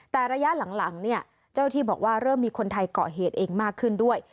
แต่ระยะหลังเนี่ยเจ้าที่บอกว่าเริ่มมีคนไทยเกาะเหตุเองมากขึ้นด้วย